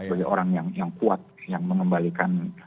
sebagai orang yang kuat yang mengembalikan